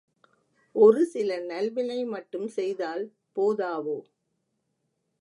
ஒரு சில நல்வினை மட்டும் செய்தால் போதாவோ?